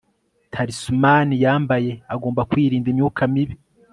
talisman yambaye agomba kwirinda imyuka mibi